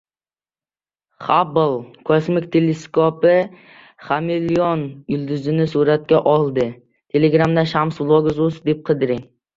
Xabbl kosmik teleskopi Xameleon yulduzni suratga oldi